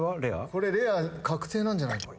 これレア確定なんじゃない？